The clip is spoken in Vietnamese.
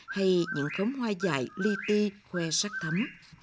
hay những khống hoa dại ly ti khoe sát thấm